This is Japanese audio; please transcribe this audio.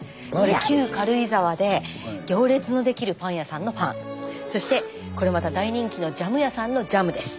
旧軽井沢で行列のできるパン屋さんのパンそしてこれまた大人気のジャム屋さんのジャムです。